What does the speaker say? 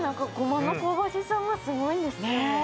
胡麻の香ばしさがすごいですね。ねぇ！